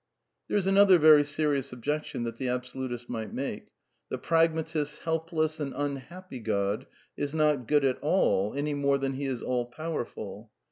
There is another very serious objection that the abso lutist might make. The pragmatist's helpless and unhappy God is not good at all, any more than he is all powerful.